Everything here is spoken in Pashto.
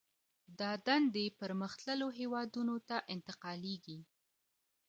دا دندې پرمختللو هېوادونو ته انتقالېږي